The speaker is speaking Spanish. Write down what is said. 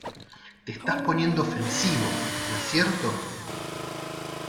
Te estas poniendo ofensivo, ¿ no es cierto?